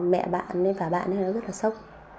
mẹ bạn ấy và bạn ấy nó rất là sốc